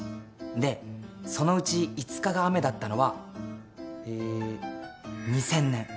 でそのうち５日が雨だったのはえー２０００年。